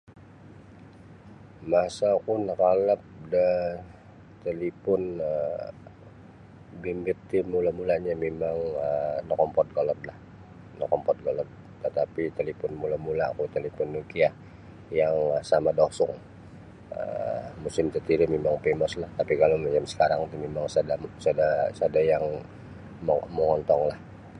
Masa oku nakaalap da talipon um bimbit ti mula-mula'nyo mimang um nokompod kolodlah nokompod kolod tatapi talipon mula'-mula'ku talipon Nokia yang sama da osung um musim tatiri mimang femeslah tatapi kalau macam sakarang ti mimang sada' sada' sada' yang mo mongontonglah.